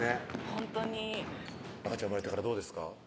ほんとに赤ちゃん生まれてからどうですか？